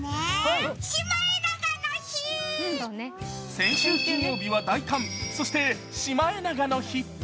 先週金曜日は大寒、そしてシマエナガの日。